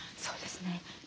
そうですね。